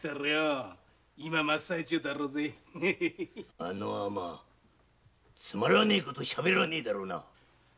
あのアマつまらねぇことしゃべらねぇだろうな。